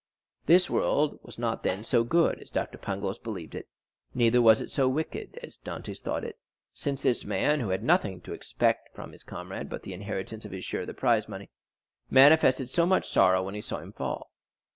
This world was not then so good as Doctor Pangloss believed it, neither was it so wicked as Dantès thought it, since this man, who had nothing to expect from his comrade but the inheritance of his share of the prize money, manifested so much sorrow when he saw him fall.